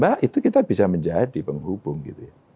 nah itu kita bisa menjadi penghubung gitu ya